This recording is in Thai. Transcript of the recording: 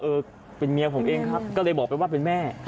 เออเป็นเมียผมเองครับก็เลยบอกไปว่าเป็นแม่